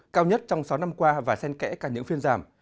cao nhất trong sáu năm qua và sen kẽ cả những phiên giảm